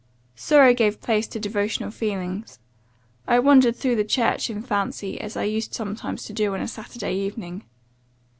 Sorrow gave place to devotional feelings. I wandered through the church in fancy, as I used sometimes to do on a Saturday evening.